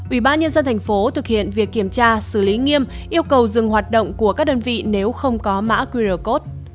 ubnd tp thực hiện việc kiểm tra xử lý nghiêm yêu cầu dừng hoạt động của các đơn vị nếu không có mã qr code